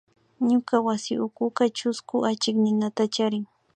Ñuka wasi ukuka chusku achikninata charin